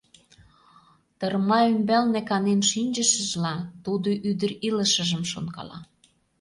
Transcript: Тырма ӱмбалне канен шинчышыжла, тудо ӱдыр илышыжым шонкала.